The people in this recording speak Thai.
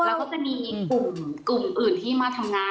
แล้วก็จะมีกลุ่มอื่นที่มาทำงาน